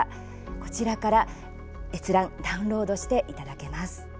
こちらから閲覧ダウンロードしていただけます。